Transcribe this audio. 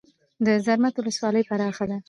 د زرمت ولسوالۍ پراخه ده